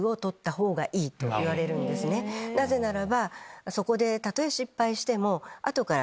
なぜならばそこでたとえ。